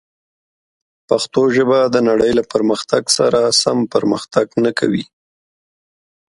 پښتو ژبه د نړۍ له پرمختګ سره سم پرمختګ نه کوي.